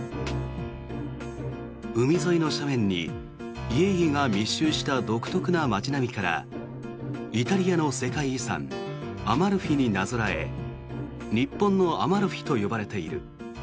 海沿いの斜面に家々が密集した独特な街並みからイタリアの世界遺産アマルフィになぞらえ日本のアマルフィと呼ばれている。